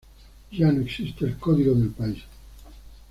Ya no existe el código de país.